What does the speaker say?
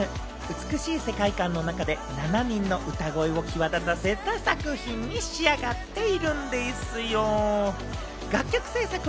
美しい世界観の中で７人の歌声を際立たせた作品に仕上がっているんでぃすよ！